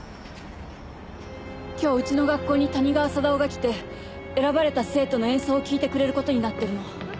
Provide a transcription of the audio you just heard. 今日うちの学校に谷川貞夫が来て選ばれた生徒の演奏を聞いてくれる事になってるの。